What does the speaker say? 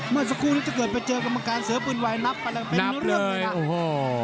เมื่อสักครู่จะเกิดไปเจอกรรมการเสื้อปืนวัยนับไปเรื่องเลยนะ